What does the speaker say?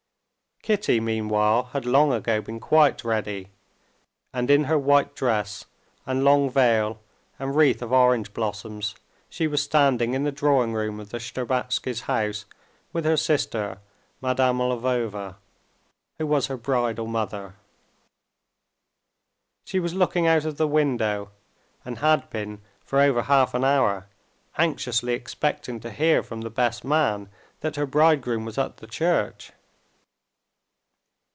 Kitty meanwhile had long ago been quite ready, and in her white dress and long veil and wreath of orange blossoms she was standing in the drawing room of the Shtcherbatskys' house with her sister, Madame Lvova, who was her bridal mother. She was looking out of the window, and had been for over half an hour anxiously expecting to hear from the best man that her bridegroom was at the church.